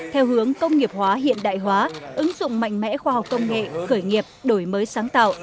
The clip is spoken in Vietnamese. theo hướng công nghiệp hóa hiện đại hóa ứng dụng mạnh mẽ khoa học công nghệ khởi nghiệp đổi mới sáng tạo